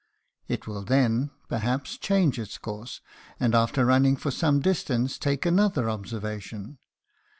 It will then, perhaps, change its course, and after running for some distance take another observation.